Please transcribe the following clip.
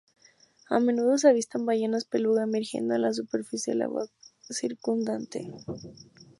A menudo se avistan ballenas beluga emergiendo en la superficie del agua circundante.